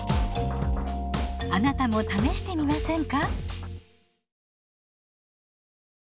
あなたも試してみませんか？